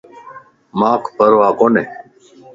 مانک پرواه ڪوني